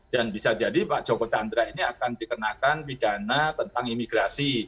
bisa jadi pak joko chandra ini akan dikenakan pidana tentang imigrasi